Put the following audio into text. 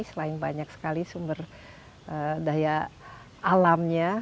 selain banyak sekali sumber daya alamnya